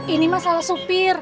ini masalah supir